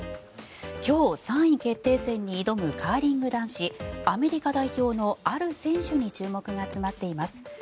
今日、３位決定戦に挑むカーリング男子アメリカ代表のある選手に注目が集まっています。